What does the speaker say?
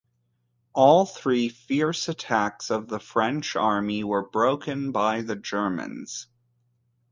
All three fierce attacks of the French army were broken by the Germans.